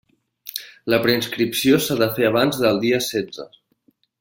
La preinscripció s'ha de fer abans del dia setze.